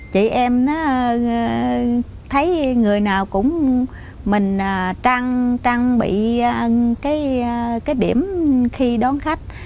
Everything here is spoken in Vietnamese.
chị em thấy người nào cũng mình trăng trăng bị cái điểm khi đón khách